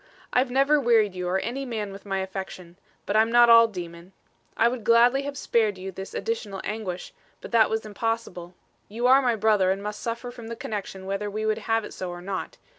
I've never wearied you or any man with my affection; but I'm not all demon. I would gladly have spared you this additional anguish; but that was impossible. You are my brother and must suffer from the connection whether we would have it so or not.